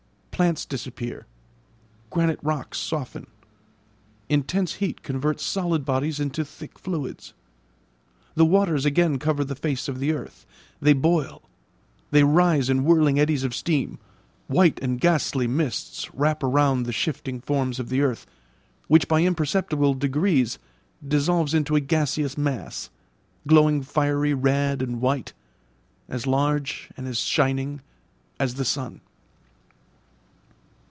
Plants disappear; granite rocks soften; intense heat converts solid bodies into thick fluids; the waters again cover the face of the earth; they boil, they rise in whirling eddies of steam; white and ghastly mists wrap round the shifting forms of the earth, which by imperceptible degrees dissolves into a gaseous mass, glowing fiery red and white, as large and as shining as the sun.